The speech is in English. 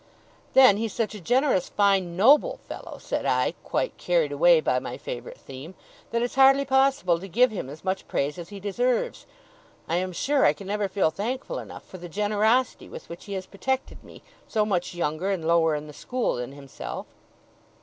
'Then, he's such a generous, fine, noble fellow,' said I, quite carried away by my favourite theme, 'that it's hardly possible to give him as much praise as he deserves. I am sure I can never feel thankful enough for the generosity with which he has protected me, so much younger and lower in the school than himself.